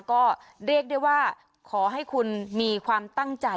ก็เรียกได้ว่าขอให้คุณมีความตั้งใจ